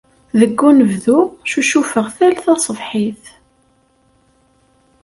Deg unebdu, ccucufeɣ tal taṣebḥit.